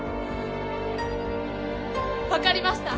わかりました。